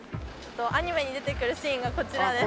アニメに出てくるシーンがこちらです。